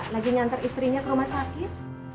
lagi nyantar istrinya ke rumah sakit